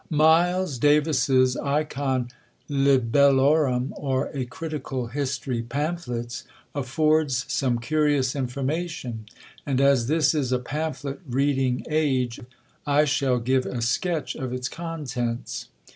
Myles Davis's "ICON LIBELLORUM, or a Critical History Pamphlets," affords some curious information; and as this is a pamphlet reading age, I shall give a sketch of its contents.